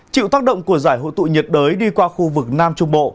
chịu tác động của giải hội tụ nhiệt đới đi qua khu vực nam trung bộ